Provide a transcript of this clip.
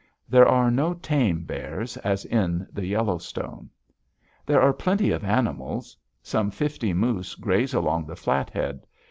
There are no tame bears, as in the Yellowstone. There are plenty of animals. Some fifty moose graze along the Flathead.